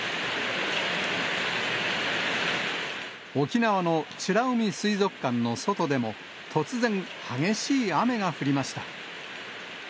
沖縄の美ら海水族館の外でも、突然、激しい雨が降りました。